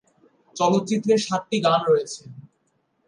চলচ্চিত্রে সাতটি গান রয়েছে।